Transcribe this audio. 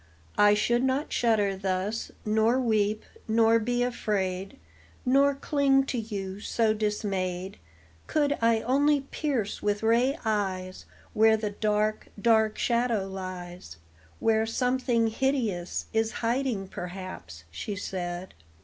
"I should not shudder thus, Nor weep, nor be afraid. Nor cling to you so dismayed, Could I only pierce with ray eyes Where the dark, dark shadow lies; Where something hideous Is hiding, perhaps," she said.